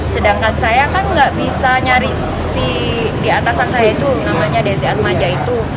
sedangkan saya kan nggak bisa nyari si diatasan saya itu namanya desyat maja itu